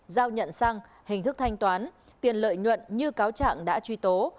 giao nhận xăng hình thức thanh toán tiền lợi nhuận như cáo trạng đã truy tố